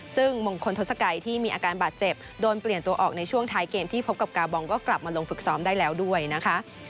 ซึ่งมงคลทศกัยที่มีอาการบาดเจ็บโดนเปลี่ยนตัวออกในช่วงท้ายเกมที่พบกับกาบองก็กลับมาลงฝึกซ้อมได้แล้วด้วยนะคะ